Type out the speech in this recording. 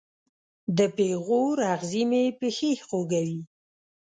د پیغور اغزې مې پښې خوږوي